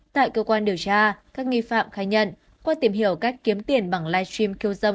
tại cơ quan điều tra các nghi phạm khai nhận qua tìm hiểu cách kiếm tiền bằng live stream kêu dân